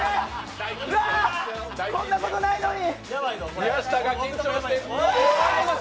こんなことないのに。